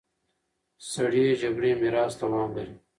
سړې جګړې میراث دوام لري.